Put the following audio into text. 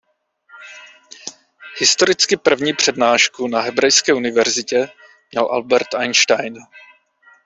Historicky první přednášku na Hebrejské univerzitě měl Albert Einstein.